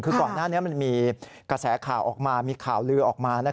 คือก่อนหน้านี้มันมีกระแสข่าวออกมามีข่าวลือออกมา